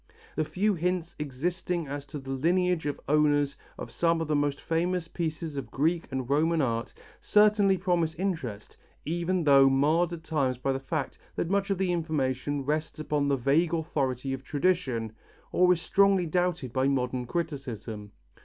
The few hints existing as to the lineage of owners of some of the most famous pieces of Greek and Roman art, certainly promise interest even though marred at times by the fact that much of the information rests upon the vague authority of tradition, or is strongly doubted by modern criticism.